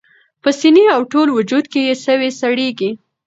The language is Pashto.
په سینه او ټول وجود کي یې سوې څړیکي